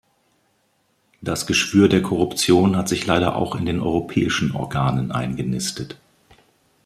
Das Geschwür der Korruption hat sich leider auch in den Europäischen Organen eingenistet.